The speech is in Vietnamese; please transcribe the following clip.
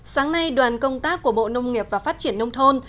sáng nay đoàn công tác của bộ nông nghiệp và phát triển nông thôn